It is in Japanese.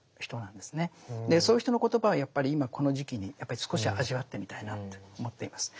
そういう人の言葉はやっぱり今この時期にやっぱり少し味わってみたいなって思っています。